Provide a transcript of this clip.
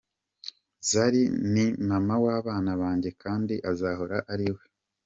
Zari ni Mama w’abana banjye kandi azahora ari we.